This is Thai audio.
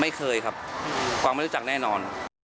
ไม่เคยครับความไม่รู้จักแน่นอน